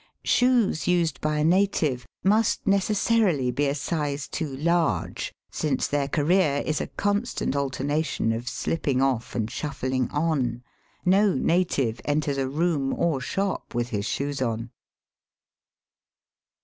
Shoes used by a native must necessarily be a size too large, since their career is a constant alternation of slipping off and shuffling on. No native enters a room or shop with his shoes on.